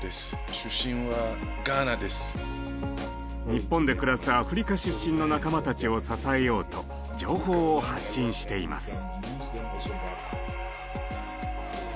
日本で暮らすアフリカ出身の仲間たちを支えようと情報を発信しています。